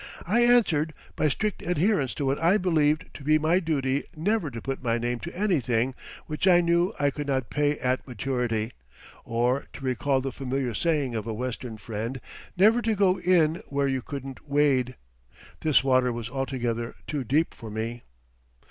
I answered: by strict adherence to what I believed to be my duty never to put my name to anything which I knew I could not pay at maturity; or, to recall the familiar saying of a Western friend, never to go in where you couldn't wade. This water was altogether too deep for me.